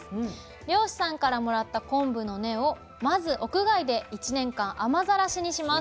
漁師さんからもらった昆布の根をまず屋外で１年間雨ざらしにします。